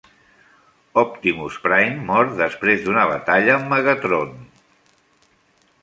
Optimus Prime mor després d'una batalla amb Megatron.